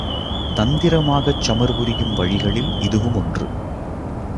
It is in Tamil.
தந்திரமாகச் சமர் புரியும் வழிகளில் இதுவும் ஒன்று.